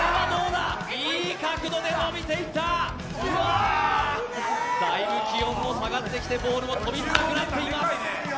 だいぶ気温も下がってきてボールも飛びづらくなっています。